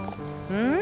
うん？